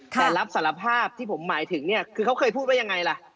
แต่รับสารภาพที่ผมหมายถึงเนี่ยคือเขาเคยพูดว่ายังไงล่ะ